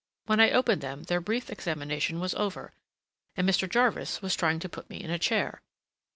When I opened them their brief examination was over, and Mr. Jarvis was trying to put me in a chair.